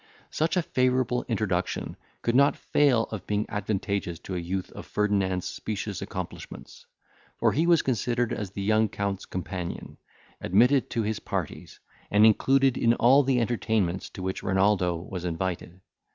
Such a favourable introduction could not fail of being advantageous to a youth of Ferdinand's specious accomplishments; for he was considered as the young Count's companion, admitted into his parties, and included in all the entertainments to which Renaldo was invited.